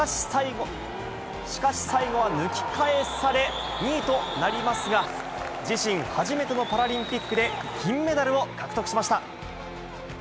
しかし、最後は抜き返され、２位となりますが、自身初めてのパラリンピックで銀メダルを獲得しました。